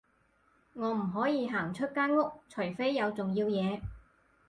我唔可以行出間屋，除非有重要嘢